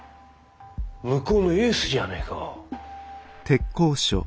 向こうのエースじゃねえか。